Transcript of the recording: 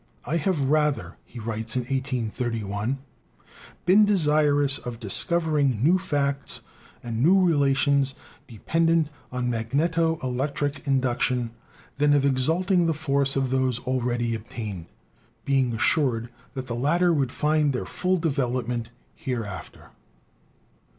"I have rather," he writes in 1831, "been desirous of dis covering new facts and new relations dependent on mag neto electric induction than of exalting the force of those already obtained, being assured that the latter would find their full development hereafter."